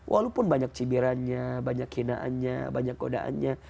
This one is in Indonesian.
walaupun banyak cibirannya banyak hinaannya banyak godaannya